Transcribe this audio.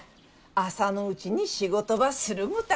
朝のうちに仕事ばするごた。